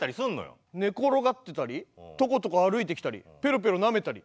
寝転がってたりトコトコ歩いてきたりペロペロなめたり。